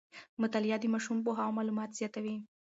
مطالعه د ماشوم پوهه او معلومات زیاتوي.